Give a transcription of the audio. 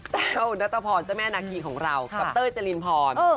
แต้วณตภเจ้าแม่หน้าขี่ของเรากับเต้ยเจรินพอนด์